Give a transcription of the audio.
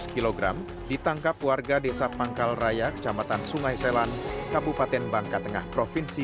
kg ditangkap warga desa pangkalraya kecamatan sungai selan kabupaten bangka tengah provinsi